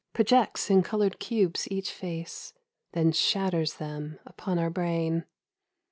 Projects in coloured cubes each face — Then shatters them upon our brain.